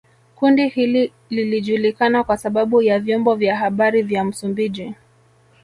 kundi hili lilijulikana kwa sababu ya vyombo vya habari vya Msumbiji